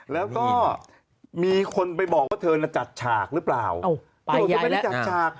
แล้วก็มีคนไปบอกว่าเธอน่ะจัดฉากหรือเปล่าตำรวจก็ไม่ได้จัดฉาก